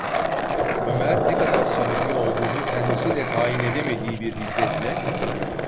Ömer ne kadar samimi olduğunu kendisi de tayin edemediği bir hiddetle: